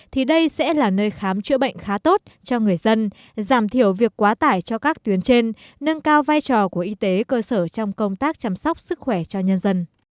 thì đây sẽ là nơi khám chữa bệnh khá tốt cho người dân giảm thiểu việc quá tải cho các tuyến trên nâng cao vai trò của y tế cơ sở trong công tác chăm sóc sức khỏe cho nhân dân